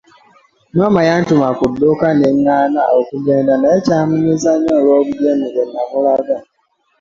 Maama yantuma ku dduuka nengana okugenda naye kyamunyiza nnyo olw'obujeemu bwenamulaga.